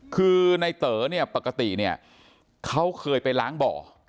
คือในเต๋อปกติเขาเคยไปล้างบ่อ